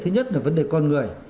thứ nhất là vấn đề con người